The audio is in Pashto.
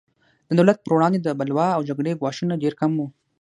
د دولت پر وړاندې د بلوا او جګړې ګواښونه ډېر کم وو.